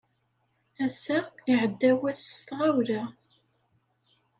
Ass-a, iɛedda wass s tɣawla.